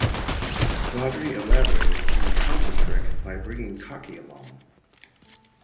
Daughtry elaborated on the counting trick by bringing Cocky along.